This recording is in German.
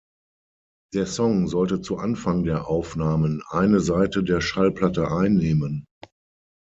Der Song sollte zu Anfang der Aufnahmen eine Seite der Schallplatte einnehmen.